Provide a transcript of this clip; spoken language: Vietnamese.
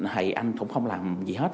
thì anh cũng không làm gì hết